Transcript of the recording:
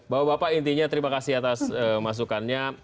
bapak bapak intinya terima kasih atas masukannya